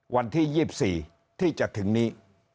วันที่๒๔ที่จะถึงนี้